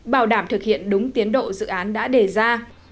bảo đảm thực hiện đúng tiến độ dự án đã đề ra